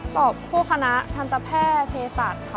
สอบโภคณะทันตะแพร่เพศาสตร์ค่ะ